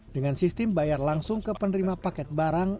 dengan sistem bayar langsung ke penerima paket barang